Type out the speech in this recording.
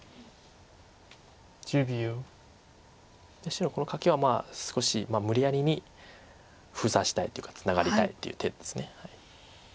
白このカケは少し無理やりに封鎖したいっていうかツナがりたいっていう手です。